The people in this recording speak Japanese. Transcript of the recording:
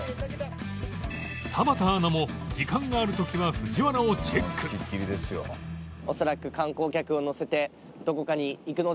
田畑アナも時間がある時は藤原をチェックなんかあの手前の。